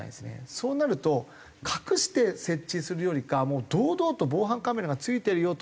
そうなると隠して設置するよりかはもう堂々と防犯カメラが付いてるよと。